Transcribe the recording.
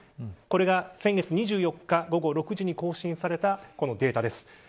これが先月２４日午後６時に更新されたデータです。